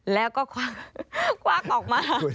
แล้วก็ควักออกมา